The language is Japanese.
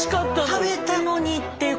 食べたのにっていうことは。